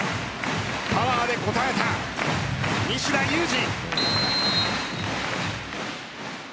パワーで応えた西田有志。